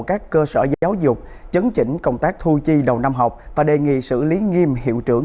các cơ sở giáo dục chấn chỉnh công tác thu chi đầu năm học và đề nghị xử lý nghiêm hiệu trưởng